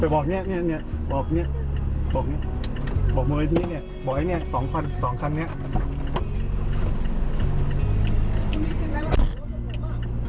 บอกเมื่อวันเมื่อเฮียนโรวนี้เนี้ย๒๑๒ขั้นเนี้ย